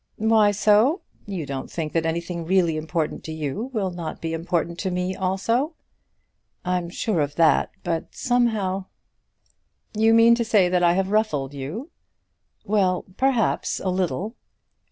"Why so? You don't think that anything really important to you will not be important to me also?" "I'm sure of that, but somehow " "You mean to say that I have ruffled you?" "Well; perhaps; a little."